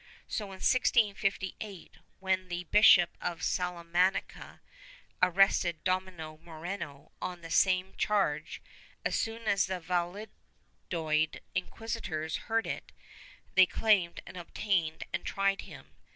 So, in 1658, when the Bishop of Salamanca arrested Domingo Moreno on the same charge, as soon as the Valladolid inquisitors heard of it, they claimed and obtained and tried him.